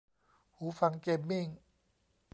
หูฟังเกมมิ่ง